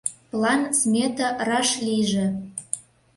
План, смета раш лийже.